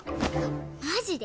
マジで！？